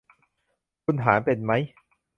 คุณหารเป็นมั้ย